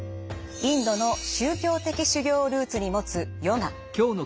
インドの宗教的修行をルーツに持つヨガ。